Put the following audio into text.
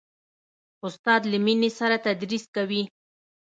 استاد له مینې سره تدریس کوي.